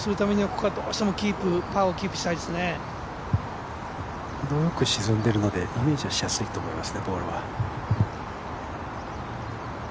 ほどよく沈んでいるのでイメージしやすいと思います。